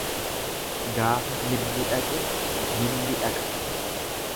Gaafa mirri dhaqe milli dhaqa.